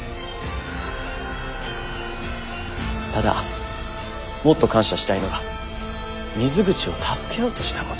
ただもっと感謝したいのは水口を助けようとしたことだ。